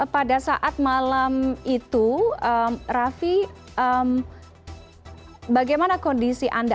pada saat malam itu raffi bagaimana kondisi anda